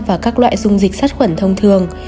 và các loại dung dịch sát khuẩn thông thường